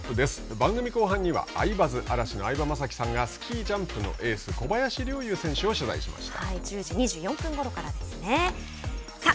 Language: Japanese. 番組後半には「アイバズ」嵐の相葉雅紀さんがスキージャンプのエース小林陵侑選手を取材しました。